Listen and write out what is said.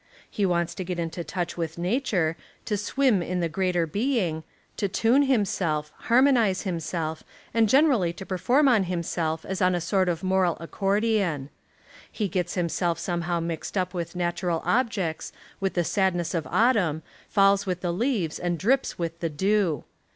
He wants to get into touch with nature, to swim In the Greater Being, "to tune himself," harmonise himself, and generally to perform on himself as on a sort of moral ac cordion. He gets himself somehow mixed up with natural objects, with the sadness of au tumn, falls with the leaves and drips with the dew.